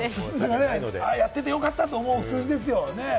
やってて良かったという数字ですよ。